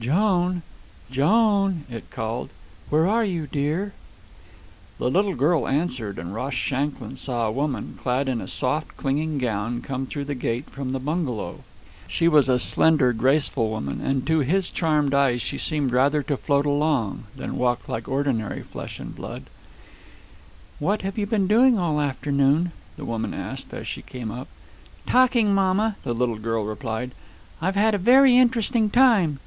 "Joan! Joan!" it called. "Where are you, dear?" The little girl answered, and Ross Shanklin saw a woman, clad in a soft, clinging gown, come through the gate from the bungalow. She was a slender, graceful woman, and to his charmed eyes she seemed rather to float along than walk like ordinary flesh and blood. "What have you been doing all afternoon?" the woman asked, as she came up. "Talking, mamma," the little girl replied. "I've had a very interesting time."